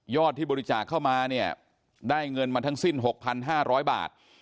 ที่บริจาคเข้ามาเนี่ยได้เงินมาทั้งสิ้น๖๕๐๐บาท